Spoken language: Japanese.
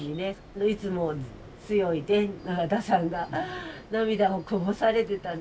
いつも強い永田さんが涙をこぼされてたので。